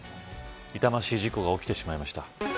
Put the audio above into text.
痛ましい事故が起きてしまいました。